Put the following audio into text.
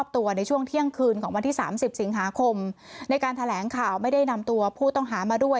ตัวในช่วงเที่ยงคืนของวันที่๓๐สิงหาคมในการแถลงข่าวไม่ได้นำตัวผู้ต้องหามาด้วย